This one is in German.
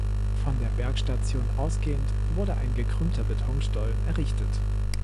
Von der Bergstation ausgehend wurde ein gekrümmter Betonstollen errichtet.